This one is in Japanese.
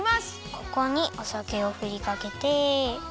ここにおさけをふりかけて。